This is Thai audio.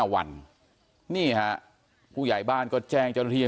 ๔๕วันนี่ฮะผู้ใหญ่บ้านก็แจ้งเจ้าหนุ่มนุษย์